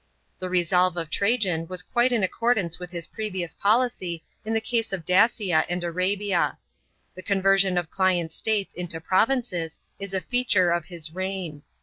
The resolve of Trajan was quite in accordance with his previous policy in the case of Dacia and Arabia. The conversion of client states into provinces is a feature of his reign.